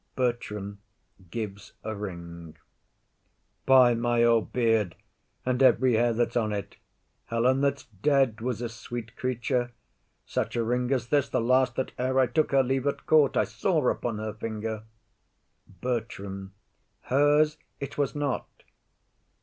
[Bertram gives a ring to Lafew.] By my old beard, And ev'ry hair that's on 't, Helen that's dead Was a sweet creature: such a ring as this, The last that e'er I took her leave at court, I saw upon her finger. BERTRAM. Hers it was not.